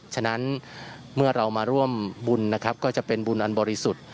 ฉะนั้นเมื่อเรามาร่วมบุญนะครับก็จะเป็นบุญอันบริสุทธิ์